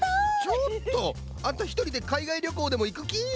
ちょっとあんたひとりでかいがいりょこうでもいくき？